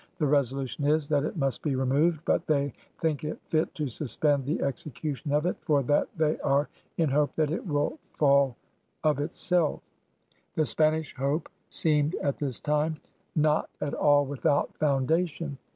The resolution is — That it must be removed, but they thinke it fitt to suspend the execution of it, ..• for that they are in hope that it will fall of itselfe/' The Spanish hope seemed, at this time, not at 90 PIONEERS OF THE OLD SOUTH aU without foundation.